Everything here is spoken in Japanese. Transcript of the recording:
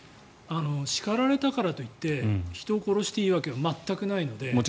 叱られたからといって人を殺していいわけは全くないので。